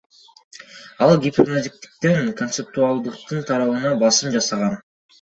Ал гиперназиктиктен концептуалдыктын тарабына басым жасаган.